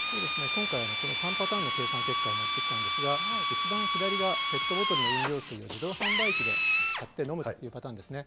今回のこの３パターンの計算結果を持ってきたんですが、一番左がペットボトルの飲料水を自動販売機で買って飲むというパターンですね。